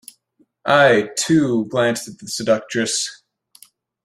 I, too, glanced at the seductress.